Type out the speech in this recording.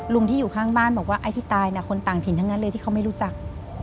ที่อยู่ข้างบ้านบอกว่าไอ้ที่ตายคนต่างถิ่นทั้งนั้นเลยที่เขาไม่รู้จัก